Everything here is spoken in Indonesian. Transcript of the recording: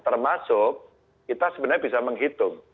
termasuk kita sebenarnya bisa menghitung